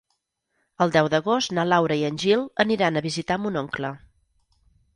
El deu d'agost na Laura i en Gil aniran a visitar mon oncle.